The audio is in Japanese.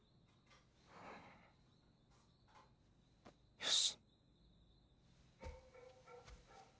よし！